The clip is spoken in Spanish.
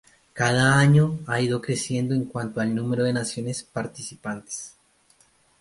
Cada año ha ido creciendo en cuanto al número de naciones participantes.